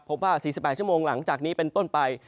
พบว่า๔๘ชั่วโมงหลังจากนี้เป็นต้นไป